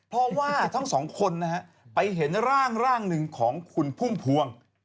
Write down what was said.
เพราะว่าทั้งสองคนนะฮะไปเห็นร่างหนึ่งของคุณพุ่มพวง